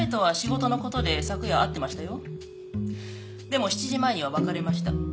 でも７時前には別れました。